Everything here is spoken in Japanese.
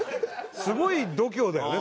すごい度胸だよね